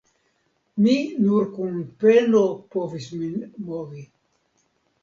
Mi nur kun peno povis min movi.